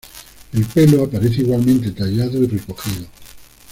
El pelo aparece igualmente tallado y recogido.